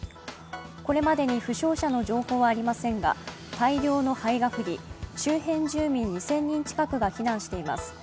これまでに負傷者の情報はありませんが、大量の灰が降り周辺住民２０００人近くが避難しています。